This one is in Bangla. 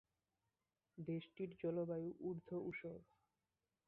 দেশটির জলবায়ু অর্ধ-ঊষর।